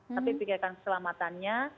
tapi pikirkan keselamatannya